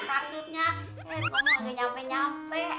maksudnya eh kamu lagi nyampe nyampe